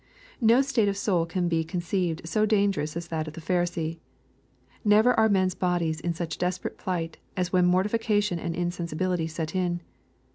No state of soul can be conceived so dangerous as that of the Pharisee. Never are men's bodies in such desperate plight, as when mortification and insensibility set in.